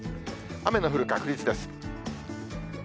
雨の降る確率です。